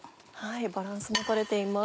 バランスも取れています。